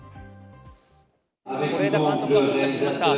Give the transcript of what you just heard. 是枝監督が到着しました。